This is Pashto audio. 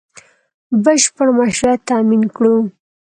بشپړ مشروعیت تامین کړو